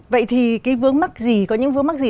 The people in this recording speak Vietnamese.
vậy thì có những vướng mắc gì